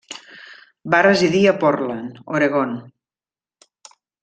Va residir a Portland, Oregon.